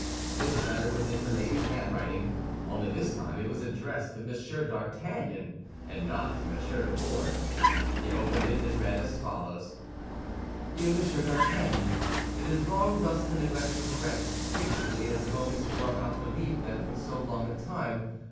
This letter was in Milady's handwriting; only this time it was addressed to M. d'Artagnan, and not to M. de Wardes. He opened it and read as follows: DEAR M. D'ARTAGNAN, It is wrong thus to neglect your friends, particularly at the moment you are about to leave them for so long a time.